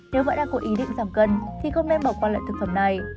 nếu vẫn đang có ý định giảm cân thì không nên bỏ qua loại thực phẩm này